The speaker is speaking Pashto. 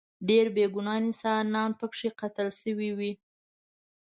ډیر بې ګناه انسانان به پکې قتل شوي وي.